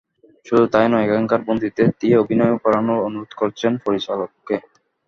শুধু তা-ই নয়, এখানকার বন্দীদের দিয়ে অভিনয়ও করানোর অনুরোধ করেছেন পরিচালককে।